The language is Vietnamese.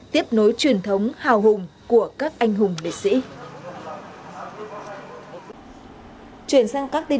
tiếp nối truyền thống hào hùng của các anh hùng liệt sĩ